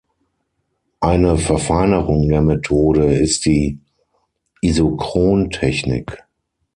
Eine Verfeinerung der Methode ist die Isochron-Technik.